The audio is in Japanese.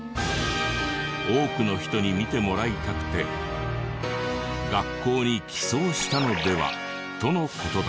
多くの人に見てもらいたくて学校に寄贈したのではとの事だった。